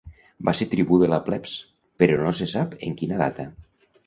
Va ser tribú de la plebs, però no se sap en quina data.